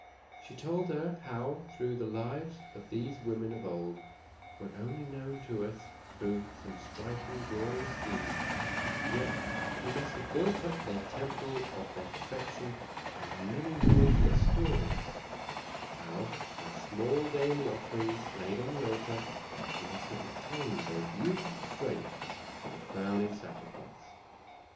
She told her how, though the lives of these women of old were only known to us through some striking glorious deed, they yet must have built up the temple of their perfection by many noiseless stories; how, by small daily offerings laid on the altar, they must have obtained their beautiful strength for the crowning sacrifice.